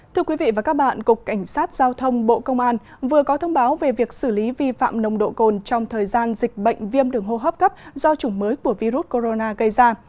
thưa quý vị và các bạn cục cảnh sát giao thông bộ công an vừa có thông báo về việc xử lý vi phạm nồng độ cồn trong thời gian dịch bệnh viêm đường hô hấp cấp do chủng mới của virus corona gây ra